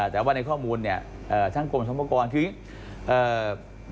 แต่ว่าในข้อมูลเนี่ยทั้งกรมสรรพากรคืออย่างนี้เอ่อ